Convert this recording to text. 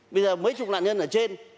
bây giờ mấy chục loạn nhân ở trên